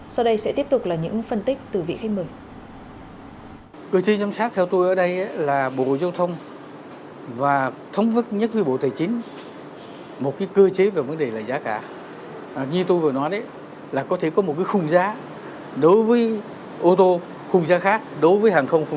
sau đây sẽ tiếp tục là những phân tích từ vị khách mời